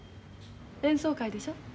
演奏会でしょ？